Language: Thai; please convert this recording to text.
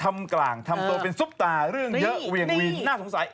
มันข่าวผมหรือเปล่า